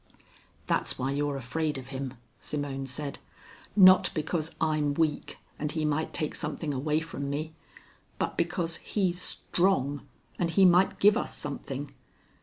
"That's why you're afraid of him," Simone said. "Not because I'm weak, and he might take something away from me, but because he's strong, and he might give us something.